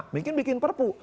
mungkin bikin perpu